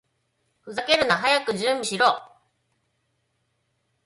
ふざけるな！早く準備しろ！